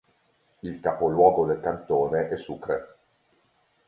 Il capoluogo del cantone è Sucre.